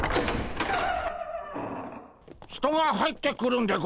人が入ってくるんでゴンスか？